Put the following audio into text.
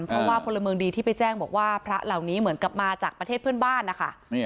เพราะว่าพลเมืองดีที่ไปแจ้งบอกว่าพระเหล่านี้เหมือนกลับมาจากประเทศเพื่อนบ้านนะคะ